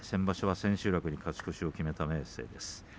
千秋楽に勝ち越しを決めた明生です。